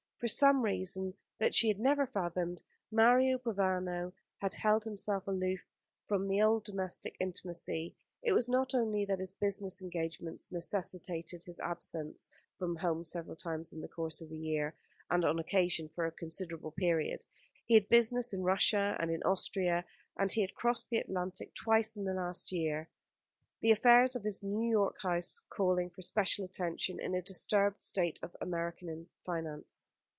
For some reason that she had never fathomed, Mario Provana had held himself aloof from the old domestic intimacy. It was not only that his business engagements necessitated his absence from home several times in the course of the year, and on occasion for a considerable period. He had business in Russia, and in Austria, and he had crossed the Atlantic twice in the last year, the affairs of his New York house calling for special attention in a disturbed state of American finance.